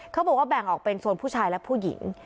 เขาบอกว่าแบ่งออกเป็นโซนผู้ชายและผู้หญิง